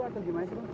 atau gimana sih